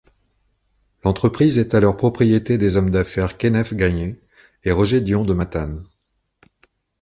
L'entreprise est alors propriété des hommes d'affaires Kenneth Gagné et Roger Dion de Matane.